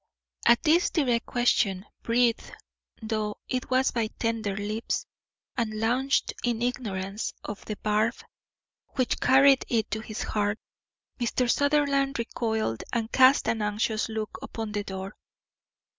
At this direct question, breathed though it was by tender lips, and launched in ignorance of the barb which carried it to his heart, Mr. Sutherland recoiled and cast an anxious look upon the door.